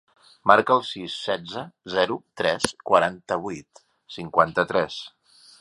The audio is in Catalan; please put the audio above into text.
Marca el sis, setze, zero, tres, quaranta-vuit, cinquanta-tres.